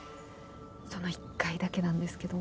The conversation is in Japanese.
その１回だけなんですけど。